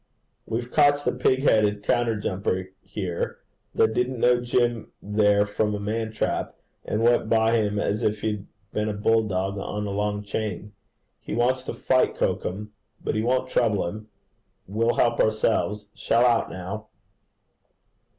'We've cotched a pig headed counter jumper here, that didn't know Jim there from a man trap, and went by him as if he'd been a bull dog on a long chain. He wants to fight cocum. But we won't trouble him. We'll help ourselves. Shell out now.'